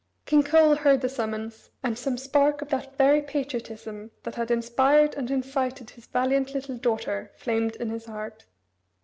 King Coel heard the summons, and some spark of that very patriotism that had inspired and incited his valiant little daughter flamed in his heart.